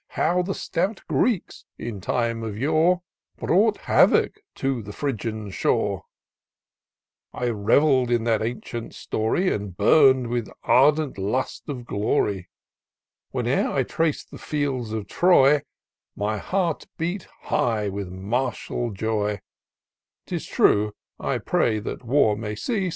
113 How the stout Greeks, in times of yore, Brought havock to the Phrygian shore: I revell'd in that ancient story, And burn*d with ardent love of glory Whene'er 1 trae'd the fields of Troy, My heart beat high with martial joy* 'Tis true, 1 pray that war may cease.